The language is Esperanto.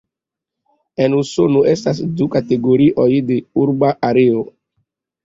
En Usono estas du kategorioj de urba areo.